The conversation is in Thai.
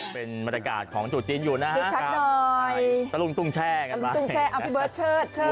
เป็นบรรยากาศของสูตรจีนอยู่นะครับพี่ทักหน่อยตะลุ้งตุ้งแช่กันไหมตะลุ้งตุ้งแช่เอาพี่เบิร์ดเชิดเชิด